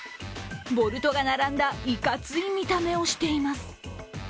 ボルトが並んだ、いかつい見た目をしています。